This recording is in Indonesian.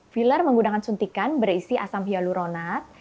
filler menggunakan suntikan berisi asam hyaluronat